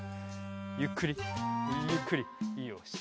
ゆっくりゆっくりよし。